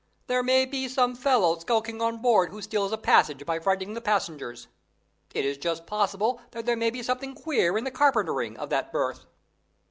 There may be some fellow skulking on board, who steals a passage by frightening the passengers. It is just possible that there may be something queer in the carpentering of that berth."